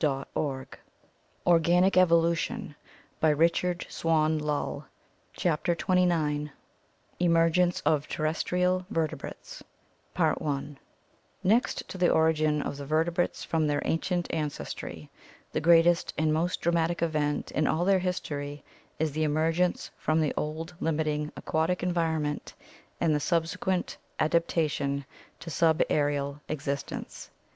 XXIV, 1915, pp. 171 318. Wilder, H. H., History of the Human Body, 1909. CHAPTER XXIX Emergence of Terrestrial Vertebrates Next to the origin of the vertebrates from their ancient ancestry, the greatest and most dramatic event in all their history is the emer gence from the old limiting aquatic environment and the subse quent adaptation to subaerial existence.